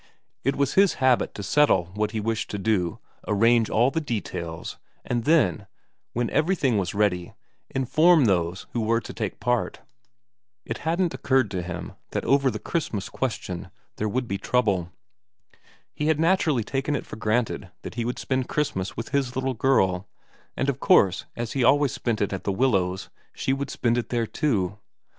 It was his habit to settle what he wished to do, arrange all the details, and then, when everything was ready, inform those who were to take part. It hadn't occurred to him that over the Christmas question there would be trouble. He had naturally taken it for granted that he would spend Christmas with his little girl, and of course as he always spent it at The Willows she would spend it there too.